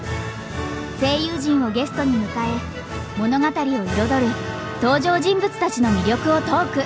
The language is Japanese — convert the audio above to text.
声優陣をゲストに迎え物語を彩る登場人物たちの魅力をトーク。